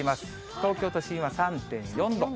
東京都心は３．４度。